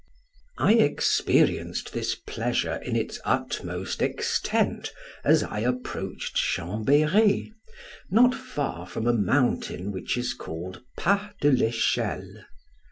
I experienced this pleasure in its utmost extent as I approached Chambery, not far from a mountain which is called Pas de l'Echelle.